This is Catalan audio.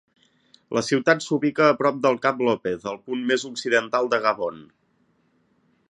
La ciutat s'ubica a prop del Cap Lopez, el punt més occidental de Gabon.